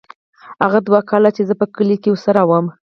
هغه دوه کاله چې زه په کلي کښې ورسره وم.